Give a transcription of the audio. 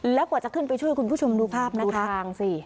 แล้วกว่าจะขึ้นไปช่วยคุณผู้ชมดูภาพนะคะสิ